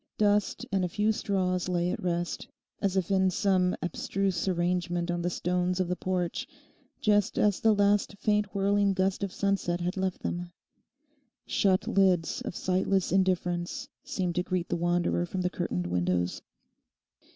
Dust and a few straws lay at rest as if in some abstruse arrangement on the stones of the porch just as the last faint whirling gust of sunset had left them. Shut lids of sightless indifference seemed to greet the wanderer from the curtained windows.